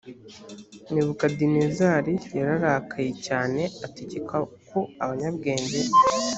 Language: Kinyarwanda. nebukadinezari yararakaye cyane ategeka ko abanyabwenge